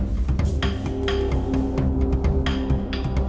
penipuan di jambi